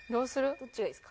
どっちがいいですか？